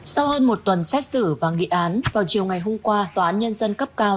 sau hơn một tuần xét xử và nghị án vào chiều ngày hôm qua tòa án nhân dân cấp cao